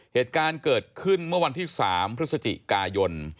เหตุการณ์เกิดขึ้นเมื่อวันที่๓พฤศจิกายน